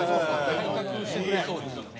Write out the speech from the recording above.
改革してくれそうですよね。